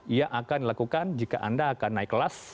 ia akan dilakukan jika anda akan naik kelas